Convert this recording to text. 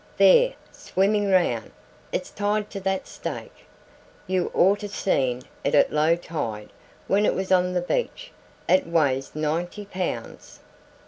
"There swimming round it's tied to that stake. You orter've seen it at low tide when it was on the beach. It weighs ninety pounds."